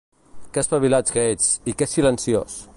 Que espavilats que ets, i que silenciós!